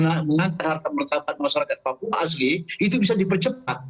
dan mengangkat harta merentakan masyarakat papua asli itu bisa dipercepat